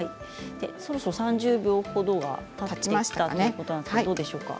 そろそろ３０秒ほどたちましたということですがどうですか？